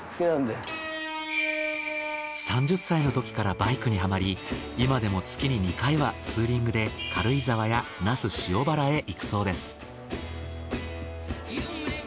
３０歳のときからバイクにはまり今でも月に２回はツーリングで軽井沢や那須塩原へ行くそうです。